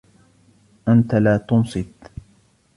أنت لا تنصت